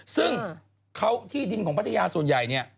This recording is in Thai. ซึ่งที่ดินของปัจจุยาส่วนใหญ่นี่